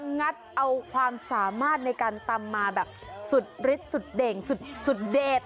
งัดเอาความสามารถในการตำมาแบบสุดฤทธิสุดเด่งสุดเด็ด